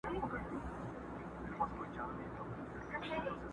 پسرلی سو ژمی ولاړی مخ یې تور سو،